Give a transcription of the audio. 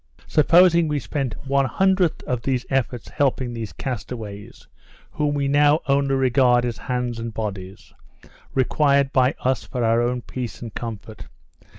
"Supposing we spent one hundredth of these efforts helping these castaways, whom we now only regard as hands and bodies, required by us for our own peace and comfort.